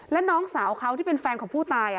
และน้องสาวเขาที่เป็นแฟนของผู้ตาย